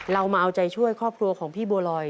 เรามาเอาใจช่วยครอบครัวของพี่บัวลอย